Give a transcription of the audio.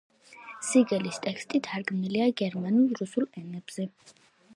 სიგელის ტექსტი თარგმნილია გერმანულ, რუსულ ენებზე.